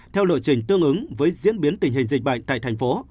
theo lộ trình tương ứng với diễn biến tình hình dịch bệnh tại thành phố